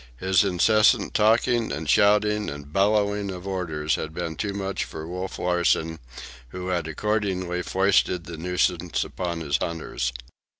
His incessant talking and shouting and bellowing of orders had been too much for Wolf Larsen, who had accordingly foisted the nuisance upon his hunters.